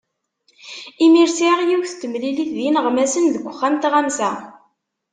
Imir sɛiɣ yiwet temlilit d yineɣmasen deg uxxam n tɣamsa.